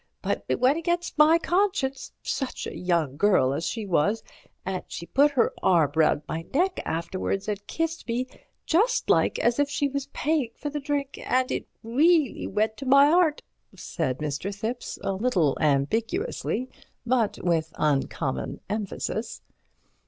But it went against my conscience—such a young girl as she was—and she put her arm round my neck afterwards and kissed me just like as if she was paying for the drink—and it reelly went to my 'eart," said Mr. Thipps, a little ambiguously, but with uncommon emphasis.